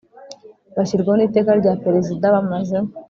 bashyirwaho n Iteka rya Perezida bamaze